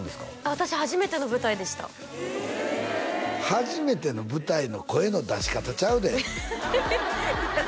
私初めての舞台でした初めての舞台の声の出し方ちゃうでいや